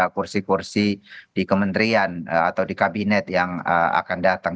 kursi kursi di kementerian atau di kabinet yang akan datang